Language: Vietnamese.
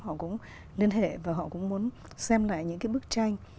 họ cũng liên hệ và họ cũng muốn